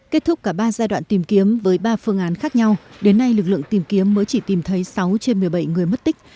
kết thúc cả ba giai đoạn tìm kiếm với ba phương án khác nhau đến nay lực lượng tìm kiếm mới chỉ tìm thấy sáu trên một mươi bảy người mất tích